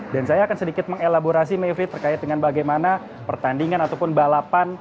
dan saya akan sedikit mengelaborasi mifri terkait dengan bagaimana pertandingan ataupun balapan